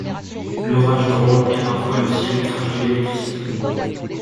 L’orage gronde et parfois le ciel crache de l’électricité.